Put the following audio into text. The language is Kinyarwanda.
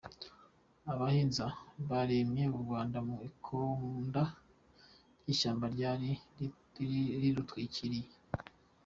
Abahinza baremye u Rwanda mu ikonda ry’ishyamba ryari rirutwikiriye.